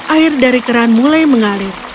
air dari keran mulai mengalir